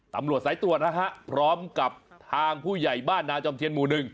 ตำรวจสายตรวจนะฮะพร้อมกับทางผู้ใหญ่บ้านนาจอมเทียนหมู่หนึ่ง